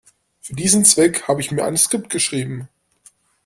Für diesen Zweck habe ich mir ein Skript geschrieben.